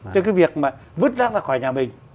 cái việc mà vứt rác ra khỏi nhà mình